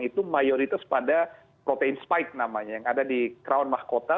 itu mayoritas pada protein spike namanya yang ada di crown mahkota